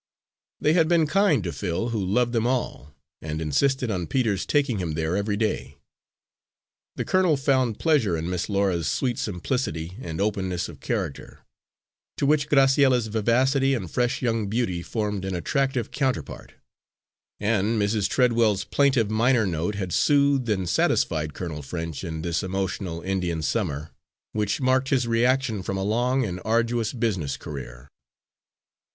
They had been kind to Phil, who loved them all, and insisted on Peter's taking him there every day. The colonel found pleasure in Miss Laura's sweet simplicity and openness of character; to which Graciella's vivacity and fresh young beauty formed an attractive counterpart; and Mrs. Treadwell's plaintive minor note had soothed and satisfied Colonel French in this emotional Indian Summer which marked his reaction from a long and arduous business career.